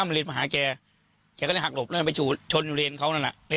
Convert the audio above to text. อาทางนี้แห่งมีคาแต่ว่ารถ